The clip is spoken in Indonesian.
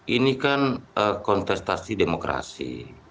ini kan kontestasi demokrasi